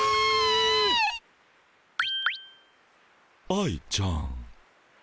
愛ちゃん。